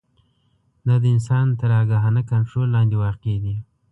دا د انسان تر آګاهانه کنټرول لاندې واقع دي.